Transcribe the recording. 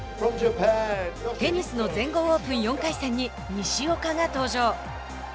テニスの全豪オープン４回戦に西岡が登場。